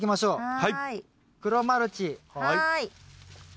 はい。